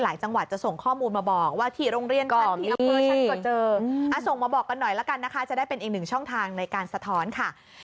จังหวัดจะส่งข้อมูลมาบอกว่าที่โรงเรียนฉันที่อำเภอฉันก็เจอส่งมาบอกกันหน่อยละกันนะคะจะได้เป็นอีกหนึ่งช่องทางในการสะท้อนค่ะ